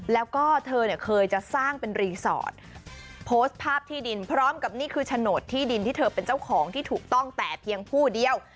แล้วก็เธอเนี่ยเคยจะสร้างเป็นรีสอร์ทโพสต์ภาพที่ดินพร้อมกับนี่คือโฉนดที่ดินที่เธอเป็นเจ้าของที่ถูกต้องแต่เพียงผู้เดียว